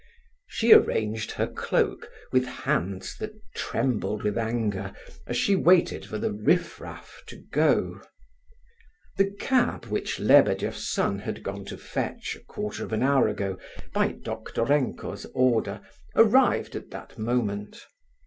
She arranged her cloak with hands that trembled with anger as she waited for the "riff raff" to go. The cab which Lebedeff's son had gone to fetch a quarter of an hour ago, by Doktorenko's order, arrived at that moment.